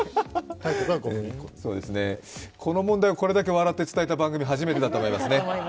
この問題をこれだけ笑って伝えた番組は初めてだと思います。